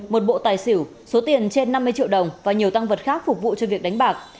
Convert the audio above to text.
một bộ tài xỉu số tiền trên năm mươi triệu đồng và nhiều tăng vật khác phục vụ cho việc đánh bạc